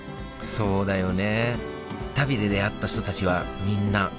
そうだよね！